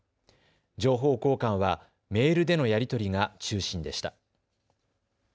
情報交換はメールでのやり取りが中心でした。